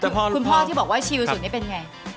คุณพ่อที่บอกว่าชิลสุดนี่เป็นไง